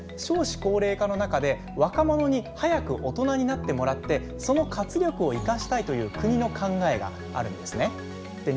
少子高齢化の中で若者に早く大人になってもらってその活力を生かしたいという国の考えがあるんですね。